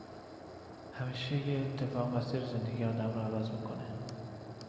همیشه یه اتفاق مسیر زندگی آدم رو عوض می کنه